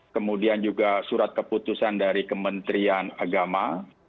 kemudian juga surat keputusan dari kementerian agama